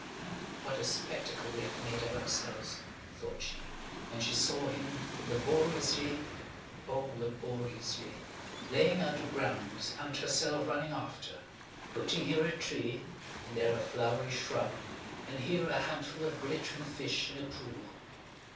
"What a spectacle we have made of ourselves," thought she. And she saw him laboriously–oh, laboriously–laying out the grounds and herself running after, puffing here a tree and there a flowery shrub and here a handful of glittering fish in a pool.